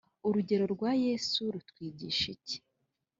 Urugero rwa Yesu rutwigisha iki